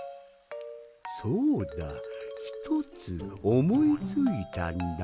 そうだ１つおもいついたんだけど。